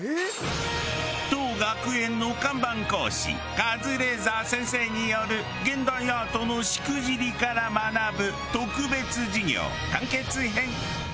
カズレーザー先生による現代アートのしくじりから学ぶ特別授業完結編。